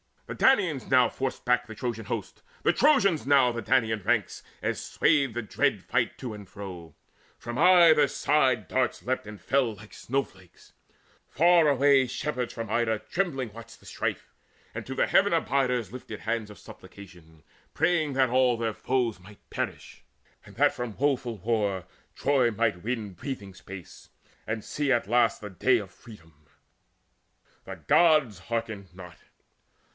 The Danaans now forced back the Trojan host, The Trojans now the Danaan ranks, as swayed The dread fight to and fro. From either side Darts leapt and fell like snowflakes. Far away Shepherds from Ida trembling watched the strife, And to the Heaven abiders lifted hands Of supplication, praying that all their foes Might perish, and that from the woeful war Troy might win breathing space, and see at last The day of freedom: the Gods hearkened not.